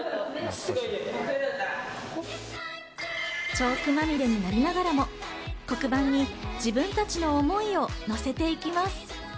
チョークまみれになりながらも黒板に自分たちの思いをのせていきます。